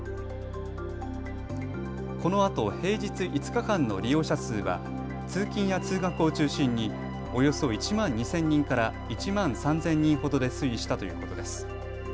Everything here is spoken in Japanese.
このあと平日５日間の利用者数は通勤や通学を中心におよそ１万２０００人から１万３０００人ほどで推移したということです。